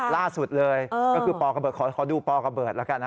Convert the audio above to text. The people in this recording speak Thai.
ล่าสุดเลยก็คือปอกระเดิขอดูปอกระเดิดแล้วกันนะ